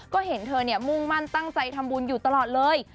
ก็เห็นเธอมุ่งมั่นตั้งใจทำบุญอยู่ตลอดเลย